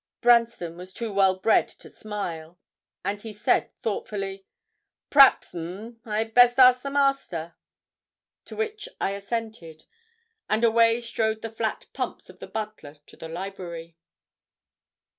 Branston was too well bred to smile, and he said thoughtfully 'P'raps, 'm, I'd best ask the master?' To which I assented, and away strode the flat pumps of the butler to the library.